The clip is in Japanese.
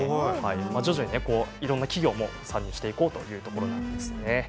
徐々に、いろんな企業も参入していこうというところです。